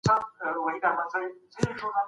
څوک غواړي سرحد په بشپړ ډول کنټرول کړي؟